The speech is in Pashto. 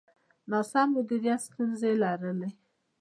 د ناسم مدیریت ستونزې یې لرلې.